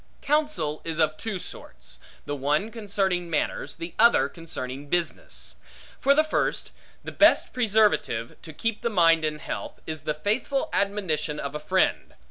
Counsel is of two sorts: the one concerning manners, the other concerning business. For the first, the best preservative to keep the mind in health, is the faithful admonition of a friend.